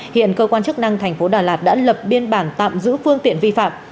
hiện cơ quan chức năng thành phố đà lạt đã lập biên bản tạm giữ phương tiện vi phạm